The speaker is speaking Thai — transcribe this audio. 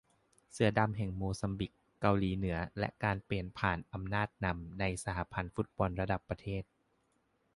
เสือดำแห่งโมซัมบิค เกาหลีเหนือ และการเปลี่ยนผ่านอำนาจนำในสหพันธ์ฟุตบอลระหว่างประเทศ